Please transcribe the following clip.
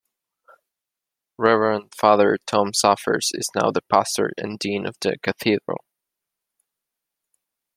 Reverend Father Tom Zaferes is now the pastor and dean of the cathedral.